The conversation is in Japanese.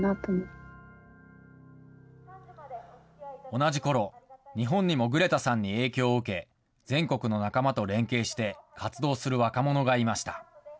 同じころ、日本にもグレタさんに影響を受け、全国の仲間と連携して活動する若者がいました。